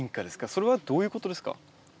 それはどういうことですか？